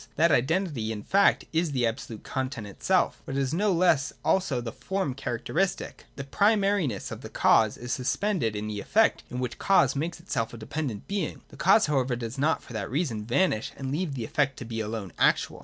That identity in fact is the absolute content itself: but it is no less also the form character istic. The primariness of the cause is suspended in the effect in which the cause makes itself a dependent being. The cause however does not for that reason vanish and leave the effect to be alone actual.